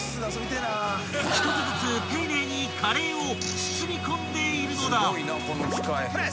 ［１つずつ丁寧にカレーを包み込んでいるのだ］